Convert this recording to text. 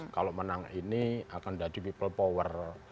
kalau menang ini akan jadi people power